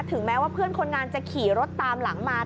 แม้ว่าเพื่อนคนงานจะขี่รถตามหลังมา